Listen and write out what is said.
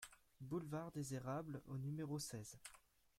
Boulevard des Érables au numéro seize